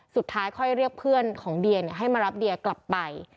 สุดท้ายค่อยเรียกเพื่อนของเดียให้มารับเดียกลับไป